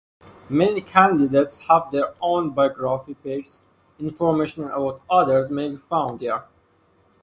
Many candidates have their own biography pages; information about others may be found here.